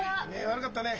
悪かったね。